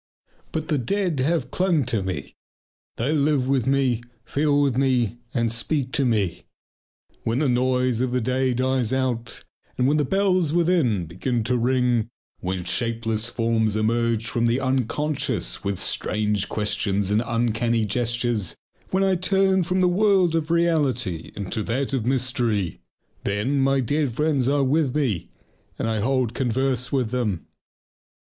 But the dead have clung to me. They live with me, feel with me, and speak to me. When the noise of the day dies out and when the bells within begin to ring, when shapeless forms emerge from the unconscious with strange questions and uncanny gestures, when I turn from the world of reality into that of mystery, then my dead friends are with me and I hold converse with them.